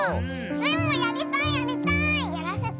スイもやりたいやりたい！